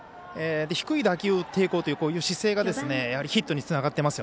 低い打球を打っていこうという姿勢がヒットにつながっています。